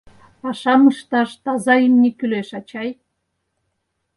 Пашам ышташ таза имне кӱлеш, ачай.